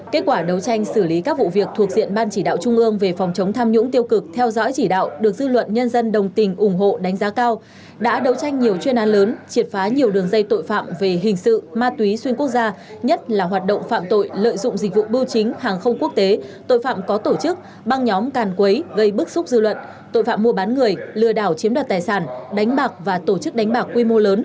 kết quả đấu tranh xử lý các vụ việc thuộc diện ban chỉ đạo trung ương về phòng chống tham nhũng tiêu cực theo dõi chỉ đạo được dư luận nhân dân đồng tình ủng hộ đánh giá cao đã đấu tranh nhiều chuyên án lớn triệt phá nhiều đường dây tội phạm về hình sự ma túy xuyên quốc gia nhất là hoạt động phạm tội lợi dụng dịch vụ bưu chính hàng không quốc tế tội phạm có tổ chức băng nhóm càn quấy gây bức xúc dư luận tội phạm mua bán người lừa đảo chiếm đoạt tài sản đánh bạc và tổ chức đánh bạc quy